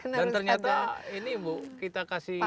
dan ternyata ini bu kita kasih